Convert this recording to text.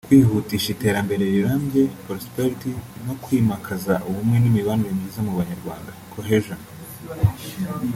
kwihutisha Iterambere rirambye (Prosperity) no kwimakaza ubumwe n’imibanire myiza mu Banyarwanda (Cohesion)